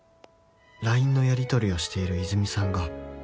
「ＬＩＮＥのやりとりをしている泉さんが」